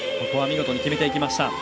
見事に決めていきました。